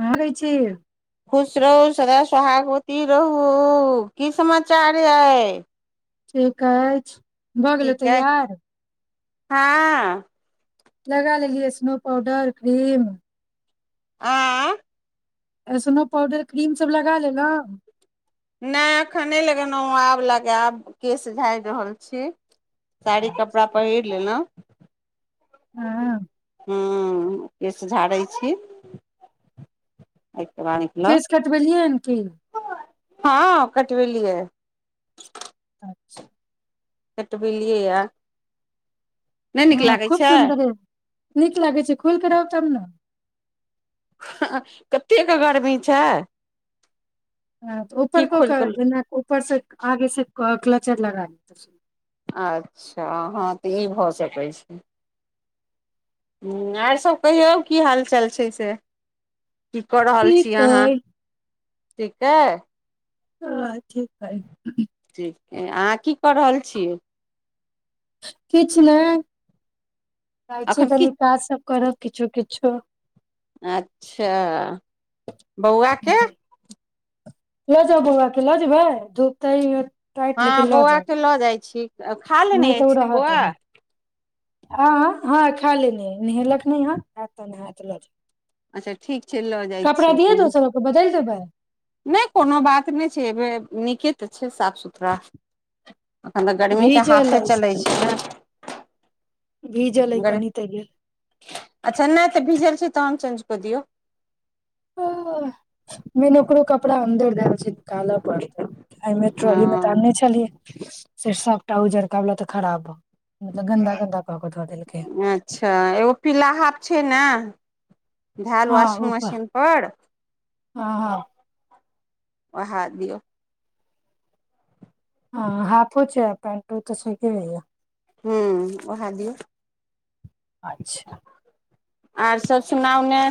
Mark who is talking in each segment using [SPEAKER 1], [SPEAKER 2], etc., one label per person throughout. [SPEAKER 1] हँ अबै छै
[SPEAKER 2] खुश रहू सदा सहागवती रहू की समाचार यय
[SPEAKER 1] कि कहै छै भऽ गेलै
[SPEAKER 2] अइ
[SPEAKER 1] तऽयार
[SPEAKER 2] हँ
[SPEAKER 1] लगा लेलियै स्नो पाउडर क्रीम
[SPEAKER 2] आं
[SPEAKER 1] एऐसनो पाउडर क्रीमसभ लगा लेलहुँ
[SPEAKER 2] नहि एखने लगेलहुँ आयब लगायब केस झड़ि रहल छी साड़ी कपड़ा पहिर लेलहुँ
[SPEAKER 1] हँ
[SPEAKER 2] ह केस झाड़ै छी एहिके बाद निकलब
[SPEAKER 1] केस कटबेलियै हन की
[SPEAKER 2] हँ कटबेलीय कट बेलियै या नहि नीक
[SPEAKER 1] हँ
[SPEAKER 2] लागै
[SPEAKER 1] खूब
[SPEAKER 2] छै
[SPEAKER 1] सुन्दर ह नीक लागे छै खुल करब तब ने
[SPEAKER 2] हाँ कतेकके गर्मी छै
[SPEAKER 1] ह त
[SPEAKER 2] की
[SPEAKER 1] उपरकक
[SPEAKER 2] खोलि कऽ
[SPEAKER 1] उपरसँ आगे से के क्लचर लगाल
[SPEAKER 2] अच्छा हँ तऽ ई भऽ सकै छै ह्म्म आर सभ कहियौ की हालचाल छै से की कऽ रहल छी
[SPEAKER 1] ठीक
[SPEAKER 2] अहाँ
[SPEAKER 1] अइ
[SPEAKER 2] ठीके है
[SPEAKER 1] ओछ ठीक हइ
[SPEAKER 2] ठीक अहाँ की कऽ रहल छियै
[SPEAKER 1] किछ नहि जाइ छी
[SPEAKER 2] एखन की
[SPEAKER 1] कनी काज सब करब किछु कि छओ
[SPEAKER 2] अच्छा बौआके
[SPEAKER 1] लऽ जाउ बौके लाज बैय धूप त
[SPEAKER 2] हँ बौआ केँ लऽ जाइ छी खा ले ने बौआ
[SPEAKER 1] ह ह ह खा ले ने नहेलक नै हन एत त ल जाउ
[SPEAKER 2] अच्छा ठीक छै लऽ जाइ छियै कोनो
[SPEAKER 1] ह [inaudible]
[SPEAKER 2] नहि कोनो बात नहि छै एबे नीके तऽ छै साफ सुथरा एखन तऽ गर्मीकेँ
[SPEAKER 1] भीजल
[SPEAKER 2] हाथे
[SPEAKER 1] अछि
[SPEAKER 2] चलैत छै
[SPEAKER 1] खाली
[SPEAKER 2] ने
[SPEAKER 1] भीजल अइ कनि तऽ गेल
[SPEAKER 2] अच्छा नहि तऽ भीजल छैक तहन चेंज क दियौ
[SPEAKER 1] मेन ओकरे कपड़ा अन्दर धैल छैक निकालऽ पड़तै एहिमे
[SPEAKER 2] हँ
[SPEAKER 1] ट्रोली मे तऽ आनने छलियैक से सबटा उजड़का वला तऽ खराब भय गेलय
[SPEAKER 2] अच्छा एगो पीला हाफ छै ने धेल
[SPEAKER 1] हँ
[SPEAKER 2] वाशिंग
[SPEAKER 1] ऊपर
[SPEAKER 2] मशीन पर
[SPEAKER 1] हँ हँ
[SPEAKER 2] उहय दियौ
[SPEAKER 1] हॅं हाफो छैक पेन्टो तऽ छैके होए [unintelligible]
[SPEAKER 2] हूँ उहय दियौ
[SPEAKER 1] अच्छा
[SPEAKER 2] आर सभ सुनाउ‌ ने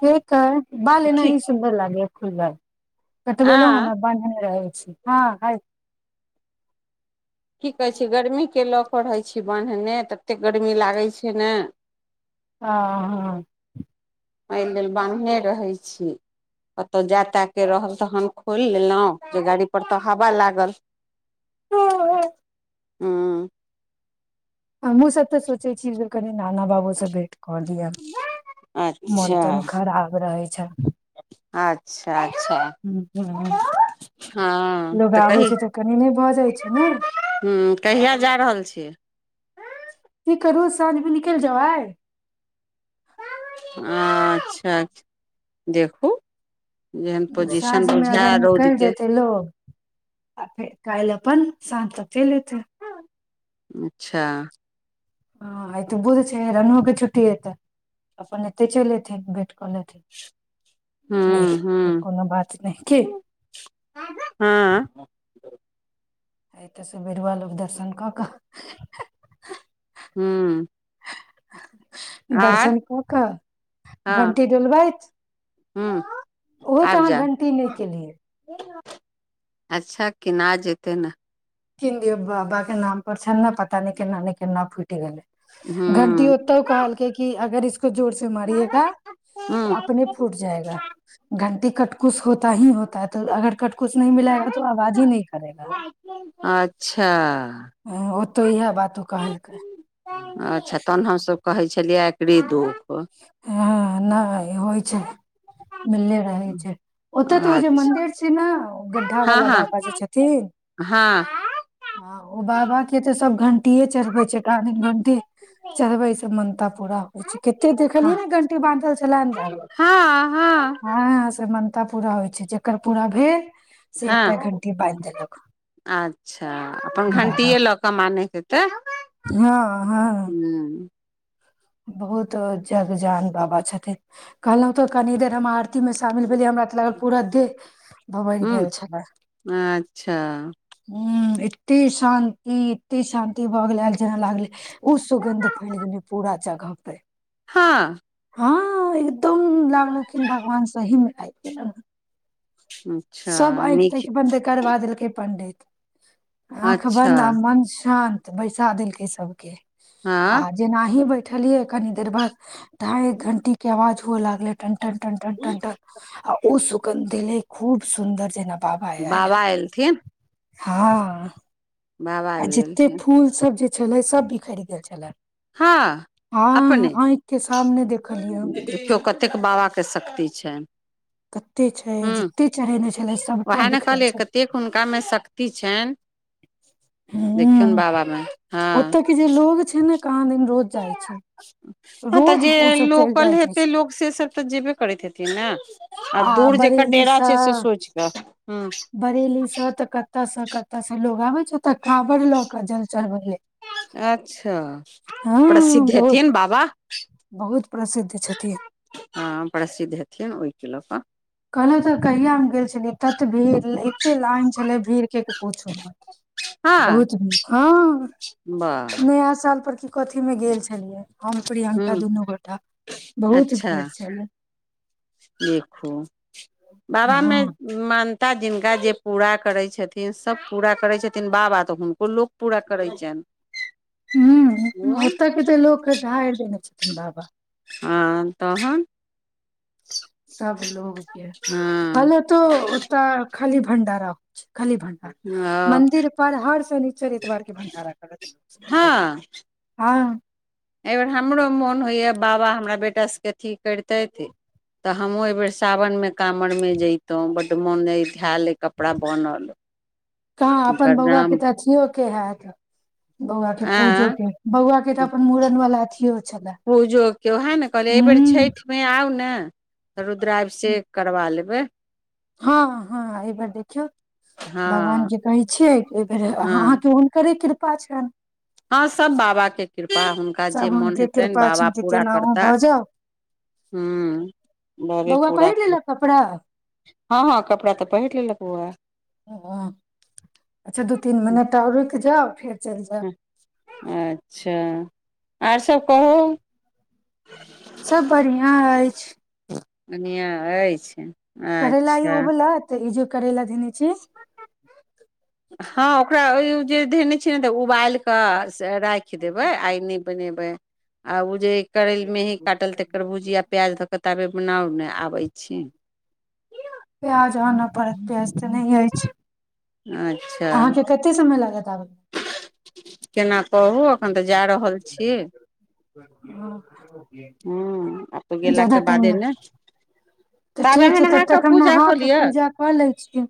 [SPEAKER 1] ठीक अइ। बाल ऐना
[SPEAKER 2] ठीक
[SPEAKER 1] ही सुन्दर लागय अछि। खुलइ [unintelligible]
[SPEAKER 2] आ
[SPEAKER 1] कटबलो है ने बनने रही हँ हय
[SPEAKER 2] की कहैत छियैक गर्मी केँ लऽ क रहै छी बान्हने ततेक गरमी लागै छै ने
[SPEAKER 1] हॅं हॅं [inaudible]
[SPEAKER 2] एहि लेल बान्हने रहै छी कतहु जाय ताय केँ रहल तखन खोलि लेलहुँ जे गाड़ी पर तऽ हवा लागल
[SPEAKER 1] हँ हॅं [inaudible]
[SPEAKER 2] हँ
[SPEAKER 1] हमहुँ सब तऽ सोचय छी जे कनी नाना बाबू से भेंट कऽ दिय मोन
[SPEAKER 2] अच्छा
[SPEAKER 1] तोन खराब रहे छैन
[SPEAKER 2] अच्छा अच्छा हँ
[SPEAKER 1] लोग
[SPEAKER 2] तऽ
[SPEAKER 1] आबै
[SPEAKER 2] कहि
[SPEAKER 1] छै कनि नहि भऽ जाइ छै ने
[SPEAKER 2] तऽ कहिया जा रहल छियैक
[SPEAKER 1] ई करू साँझमे निकल जौ आइ
[SPEAKER 2] अच्छा देखू जेहन पोजिशन
[SPEAKER 1] साँझमे अगर
[SPEAKER 2] बुझाय रौद
[SPEAKER 1] निकलि
[SPEAKER 2] के
[SPEAKER 1] जेतै लोक आ फेर काल्हि अपन सात चलि एतै
[SPEAKER 2] अच्छा
[SPEAKER 1] हॅं आइ त बुध छै रेणु के छुट्टी हेतै अपन एते चलि एथिन भेंट चलि छथिन नहि
[SPEAKER 2] हूँ
[SPEAKER 1] एथिन तऽ
[SPEAKER 2] हूँ
[SPEAKER 1] कोनो बात नहि कि
[SPEAKER 2] हँ
[SPEAKER 1] आइ तऽ सवेरे लोक दर्शन कऽ कऽ
[SPEAKER 2] हँ
[SPEAKER 1] [inaudible] दर्शन क कऽ घंटी डोलबैत
[SPEAKER 2] ह्म
[SPEAKER 1] ओहो तऽ अहाँ घंटी नहि केलियै
[SPEAKER 2] अच्छा किनै जेतै न
[SPEAKER 1] किन दियौ बाबा के नाम पर छनि ने पता नै केन्ना ने केना फुटि गेलै घंटी
[SPEAKER 2] हूँ
[SPEAKER 1] ओतौ कहलकै कि अगर इस जोर से मारियेगा तऽ
[SPEAKER 2] हूँ
[SPEAKER 1] अपने फूट जाएगा घंटी कटकुस होता ही होता है तऽ अगर कटकुस नही मिलेगा तो आवाज ही नही करेगा
[SPEAKER 2] अच्छा
[SPEAKER 1] ह ओतऽ इएह बात ओ कहलकै
[SPEAKER 2] अच्छा तहन हम सब कहै छलियै एकरे दो
[SPEAKER 1] ह नहि होइ छै मिलले रहै छै ओत तऽ ओ जे
[SPEAKER 2] अच्छा
[SPEAKER 1] मन्दिर छै ने गड्ढा
[SPEAKER 2] हँ
[SPEAKER 1] वाला
[SPEAKER 2] हँ
[SPEAKER 1] बाबा जे छथिन
[SPEAKER 2] हँ
[SPEAKER 1] हाँ ओ बाबा के तऽ सब घं टीए चढ़बै छै कहाँ दिन घणटी चढ़बैसे मनता पूरा होइ छै के कते देखलियै ने घंटी बान्हल छलै अन्दर छल
[SPEAKER 2] हँ हँ
[SPEAKER 1] हँ से म ता पूरा होइ छै जकर पूरा भेल से एकटा
[SPEAKER 2] हँ
[SPEAKER 1] घंटी बान्हि देलक
[SPEAKER 2] अच्छा अपन
[SPEAKER 1] बाबा
[SPEAKER 2] घण्टीए लऽ कऽ मानैके होतै
[SPEAKER 1] के। हँ हँ
[SPEAKER 2] ह्म
[SPEAKER 1] बहुत जगजान बाबा छथिन कहलहुँ तऽ कनि देर हम आर ती मे शामिल भेलीयै हमरा तऽ लागल पूरा देह भभरि
[SPEAKER 2] हूँ
[SPEAKER 1] गेल छलै
[SPEAKER 2] अच्छा
[SPEAKER 1] इती शान्ति इति शान्ति भऽ गेलय जेना लागले उ सुगन्ध फैल गेलए पूरा जगह पे
[SPEAKER 2] हँ
[SPEAKER 1] हँ एकदम लागलखिन भगवान सही मे आइब गेलाहन्
[SPEAKER 2] अच्छा
[SPEAKER 1] सब आँखि
[SPEAKER 2] नीक
[SPEAKER 1] ताँखि बन्द करबा देलकै पंडित आँख
[SPEAKER 2] अच्छा
[SPEAKER 1] बन्द आ मन शान् त' बैसा देलकै सभके आ
[SPEAKER 2] हँ
[SPEAKER 1] जेनाहि बै बैठलियै कनी देर बाद ढाई एक घंटीे के आवाज हुऐ लागलै टन टन टन टन टन आ उ सु गंध एलै खूब सुन्दर जेना आयल
[SPEAKER 2] बाबा
[SPEAKER 1] होथिन
[SPEAKER 2] अयलथिन
[SPEAKER 1] हँ आ
[SPEAKER 2] भी
[SPEAKER 1] जते
[SPEAKER 2] एलथिन
[SPEAKER 1] फूल सब जे छलै सब बिखरि गेल छलै
[SPEAKER 2] हँ
[SPEAKER 1] हँ
[SPEAKER 2] अपने
[SPEAKER 1] आँखि के सामने देखलियै हम
[SPEAKER 2] देखियौ कतेक बाबा के शक्ति छैन
[SPEAKER 1] कते छै
[SPEAKER 2] हूं
[SPEAKER 1] जते चढ़ेने छले सबटा
[SPEAKER 2] उएह ने
[SPEAKER 1] बिखरल
[SPEAKER 2] कहलियै
[SPEAKER 1] छले
[SPEAKER 2] कतेक हुनकामे शक्ति छैन देखयौन बाबामे
[SPEAKER 1] ओतऽ के जे लोग छै ने कहाँदिन रोज जाइ छै
[SPEAKER 2] हँ तऽ
[SPEAKER 1] रोज
[SPEAKER 2] जे
[SPEAKER 1] ओ सब चलि
[SPEAKER 2] लोकल
[SPEAKER 1] जाइ छै
[SPEAKER 2] हेतै लोक से सभ तऽ जेबे करैत हेथिन ने आ दूर जेकर
[SPEAKER 1] बरेली
[SPEAKER 2] डेरा
[SPEAKER 1] सँ
[SPEAKER 2] छै से सोचि कऽ [inaudible]
[SPEAKER 1] बरेली स तऽ कत्त' स कत्त' स लोग आबै तऽ काँवड़ लऽ के जल चढ़बै ले
[SPEAKER 2] अच्छा प्रसिद्ध
[SPEAKER 1] हँ बहुत
[SPEAKER 2] हेथिन बाबा
[SPEAKER 1] बहुत प्रसिद्ध छथिन
[SPEAKER 2] ल' क'
[SPEAKER 1] कहलौं तऽ कहिया हम गेल छलियै तत् एत्त भीड़ एत्ते लाइन छलै भीड़कें कि पुछू मत
[SPEAKER 2] हँ
[SPEAKER 1] बहुत भीड़ हँ
[SPEAKER 2] वाह
[SPEAKER 1] नया साल पर क कथी मे गेल छलियै हम प्रियंका
[SPEAKER 2] हूँ
[SPEAKER 1] दुनू गोटा बहुत
[SPEAKER 2] अच्छा
[SPEAKER 1] भीड़ छल
[SPEAKER 2] बाबमे मा न्गता जिनका जे पूरा करै छथिन सभ पूरा करै छथिन बाबा तऽ हुनको लोक पूरा करै छनि
[SPEAKER 1] हूं ओत्त के त' लोक ढारि देने बाबा
[SPEAKER 2] आम तहन
[SPEAKER 1] [inaudible] सब लोगके
[SPEAKER 2] हँ
[SPEAKER 1] कहले तो ओत्त खाली भन्डारा होय छै खाली भंडारा
[SPEAKER 2] ओ
[SPEAKER 1] मन्दिर पर हर शनिचर एतबारके भंडारा करत लोकसभ हँ
[SPEAKER 2] एहि बेर हमरो मोन होइया बाबा हमरा बेटा सबके ठीक करितैथ तऽ हमहुँ एबेर सावनमे काँवरमे जैतौं बड्ड मोन अय
[SPEAKER 1] कहाँ अपन
[SPEAKER 2] हुनकर
[SPEAKER 1] बौआकें
[SPEAKER 2] नाम
[SPEAKER 1] तऽ अथियो के हैत बौआकें
[SPEAKER 2] आ
[SPEAKER 1] पूजो के बौआकें तऽ अपन मूड़न बला अथि
[SPEAKER 2] पूजोक के उएह ने कहलियै एहिबेर
[SPEAKER 1] हूँ
[SPEAKER 2] छठिमे आउ ने रुद्राभिषेक करबा लेबय
[SPEAKER 1] हँ हँ एहिबेर देखियौ
[SPEAKER 2] हँ
[SPEAKER 1] भगवान के कहै छियैे कि एहिबेर
[SPEAKER 2] हँ
[SPEAKER 1] अहाँके हुनकरे कृ पा छनि
[SPEAKER 2] हँ सब बाबा के कृपा हुनका जे
[SPEAKER 1] सब
[SPEAKER 2] मोन
[SPEAKER 1] हुनके
[SPEAKER 2] हेतनि
[SPEAKER 1] कृपा
[SPEAKER 2] बाबा
[SPEAKER 1] छनि कि
[SPEAKER 2] पूरा
[SPEAKER 1] केनाहु
[SPEAKER 2] करता
[SPEAKER 1] भऽ जाउ
[SPEAKER 2] हँ बबे
[SPEAKER 1] बौआ
[SPEAKER 2] पूरा
[SPEAKER 1] पहिर लेलक कपड़ा
[SPEAKER 2] करता हँ हँ कपड़ा तऽ पहिर लेलक बौआ
[SPEAKER 1] ओ अच्छा दू तीन मिनट और रूइक‌ जाउ फेर चलि जाउ
[SPEAKER 2] हं अच्छा आर सभ कहू
[SPEAKER 1] सब बढ़िआँ अछि
[SPEAKER 2] बढ़ियाँ अछि
[SPEAKER 1] करैला ई
[SPEAKER 2] अच्छा
[SPEAKER 1] उबलत इजे करैला धेने छी
[SPEAKER 2] हँ जे धेने छै ने उ बाल क' राखि देबे आइ नै बनेबै आ उ जे करैल मेंही काटल तकर भुजियाा प्याज धऽक' ताबे बनाउ ने आबय छी
[SPEAKER 1] प्याज आन' पड़त प्याज तऽ नहि अछि
[SPEAKER 2] अच्छा
[SPEAKER 1] अहाँके कते समय लागत आबै
[SPEAKER 2] केना कहू एखन तऽ जा रहल छीयै हँ आ तऽ
[SPEAKER 1] मे जादा
[SPEAKER 2] गेलाके
[SPEAKER 1] टाइम
[SPEAKER 2] बादे
[SPEAKER 1] नहि
[SPEAKER 2] ने
[SPEAKER 1] तऽ
[SPEAKER 2] ताबे
[SPEAKER 1] ठीक
[SPEAKER 2] अहाँ
[SPEAKER 1] छै तब
[SPEAKER 2] नहा कऽ
[SPEAKER 1] तक हम
[SPEAKER 2] पूजा
[SPEAKER 1] नहा
[SPEAKER 2] कऽ
[SPEAKER 1] क
[SPEAKER 2] लिअ
[SPEAKER 1] पूजा कऽ लै छी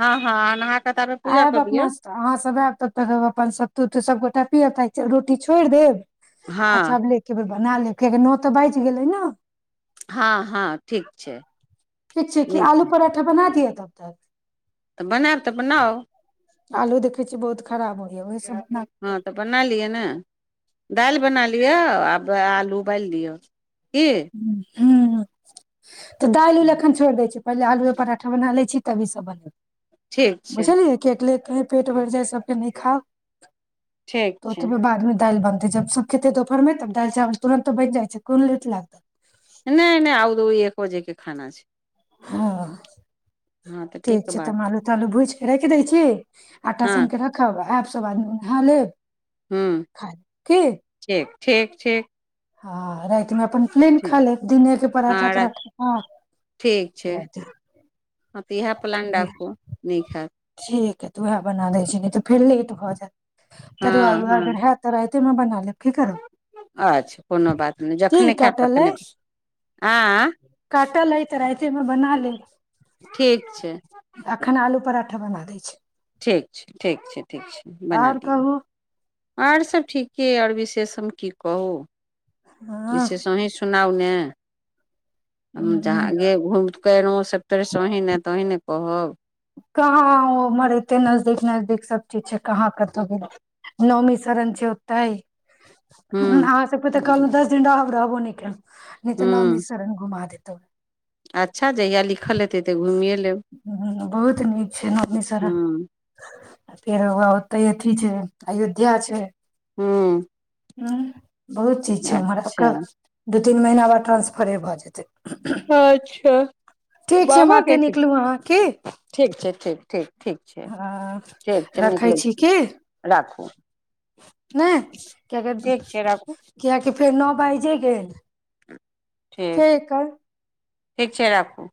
[SPEAKER 2] हँ हँ अहाँ नहा कऽ ताबे पूजा
[SPEAKER 1] आयब
[SPEAKER 2] कऽ
[SPEAKER 1] अपना
[SPEAKER 2] लिअ
[SPEAKER 1] अहाँ सब आयब त तकर बाद अपन सत्तु वत्तु सबगोटा पियब त'आय रोटी छोड़ि देब अच्छा
[SPEAKER 2] हँ
[SPEAKER 1] आब लेके बना ले कियाकी नओ तऽ बाजी गेलै न
[SPEAKER 2] हँ हँ ठीक छै
[SPEAKER 1] ठीक छै की आलू
[SPEAKER 2] नीक
[SPEAKER 1] पराठा बना दियै तब तक
[SPEAKER 2] तऽ बनायब तऽ बनाउ
[SPEAKER 1] आलू देखै छी बहुत खराब होइये ओहि स
[SPEAKER 2] हँ तऽ बना लियअ ने दालि बना लिय आ आलू उबालि दिऔ की
[SPEAKER 1] हूं तऽ दालि उल एखन छोड़ि दै छी पहिेने आलूए पराठा बना लै छी तभी सब बनै
[SPEAKER 2] ठीक छै
[SPEAKER 1] बूझलियै केटलेट कहीं पेट भरि जाइ सभके नहि खाउ
[SPEAKER 2] ठीक
[SPEAKER 1] तऽ
[SPEAKER 2] छै
[SPEAKER 1] ओतबे बादमे दालि बन जब सभ खेतै दोपहरमे तब दालि चावल तुरन्ते बनि जाइ छै कोन लागत
[SPEAKER 2] नइ नइ आउ दू एक भोजे के खाना छै
[SPEAKER 1] हँ
[SPEAKER 2] हँ तऽ
[SPEAKER 1] ठीक
[SPEAKER 2] नीक
[SPEAKER 1] छै तऽ
[SPEAKER 2] बात
[SPEAKER 1] हम आलू तालू भूजि के राखि दै छी आटा
[SPEAKER 2] हँ
[SPEAKER 1] सान क रखब आयब सभ आदमी नहा लेब
[SPEAKER 2] हूँ
[SPEAKER 1] ख कि
[SPEAKER 2] ठीक ठीक ठीक
[SPEAKER 1] हँ रातिमे अपन प्लेन खा
[SPEAKER 2] ठीक
[SPEAKER 1] लेब दिनेकें पराठा
[SPEAKER 2] हँ राख
[SPEAKER 1] तराठा हँ
[SPEAKER 2] ठीक छै हँ तऽ इएह प्लान राखू नीक हैत
[SPEAKER 1] ठीक ह तऽ उएह बना लै छी न तऽ फेर लेट भऽ जायत तरुआ अर
[SPEAKER 2] हँ हँ
[SPEAKER 1] अगर हैत त' राति मे बना लेब की करब
[SPEAKER 2] अच्छा कोनो बात नई
[SPEAKER 1] की
[SPEAKER 2] जखने खैब
[SPEAKER 1] कटल
[SPEAKER 2] तखने
[SPEAKER 1] अइ
[SPEAKER 2] आंय
[SPEAKER 1] काटल अइ तऽ रातिमे बना लेब
[SPEAKER 2] ठीक छ छै
[SPEAKER 1] अखन आलू पराठा बना दै छी
[SPEAKER 2] ठीक छैय ठीक छैय ठीक छैय बना
[SPEAKER 1] आओर
[SPEAKER 2] दियौ
[SPEAKER 1] कहू
[SPEAKER 2] आओर सब ठीके अ आओर विशेष हम की कहू
[SPEAKER 1] हँ
[SPEAKER 2] विशेष अहीं सुनाउ ने [unintelligible] ज [unintelligible]
[SPEAKER 1] ह
[SPEAKER 2] [unintelligible] सभ तरह से अही ने तऽ अही ने कहब
[SPEAKER 1] कहाँ ओ ओमहरे ओते नजदीक नजदीक सब चीज छैय कहाँ कतहु गेलंउ नौमी शरण छैय ओतै ह
[SPEAKER 2] हूँ
[SPEAKER 1] अंहां सब के त कहलऊं दस दिन राहब रहबो नय [unintelligible] न तऽ
[SPEAKER 2] हूँ
[SPEAKER 1] नमे सरण घुमा देब त
[SPEAKER 2] अच्छा जहिया लिखल हेतै तऽ घुमिए लेब
[SPEAKER 1] [unintelligible] छैय नामी सारा
[SPEAKER 2] हूँ
[SPEAKER 1] फेर हव्वै ओत्तय अथि छैय अयोध्या छैय
[SPEAKER 2] हूँ
[SPEAKER 1] हँ बहुत चीज छैय उम्हर
[SPEAKER 2] अच्छा
[SPEAKER 1] ओकर तीन महिना बाद ट्रा्सफरे भऽ जेतै
[SPEAKER 2] अच्छा
[SPEAKER 1] ठीक छैय
[SPEAKER 2] बाबा
[SPEAKER 1] माते
[SPEAKER 2] के
[SPEAKER 1] निकलू अहाँ की
[SPEAKER 2] ठीक ठीक ठीक ठीक छै ठीक
[SPEAKER 1] ह
[SPEAKER 2] छै हम
[SPEAKER 1] रखै
[SPEAKER 2] निकलै
[SPEAKER 1] छी की
[SPEAKER 2] राखू
[SPEAKER 1] नहि कििय
[SPEAKER 2] ठीक छै राखू
[SPEAKER 1] कियकि फेर न पाइ जे गेल
[SPEAKER 2] ठीक
[SPEAKER 1] छैय एकर
[SPEAKER 2] ठीक छैय राखू